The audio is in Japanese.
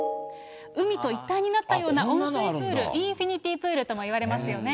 海と一体になったような温水プール、インフィニティープールともいわれますよね。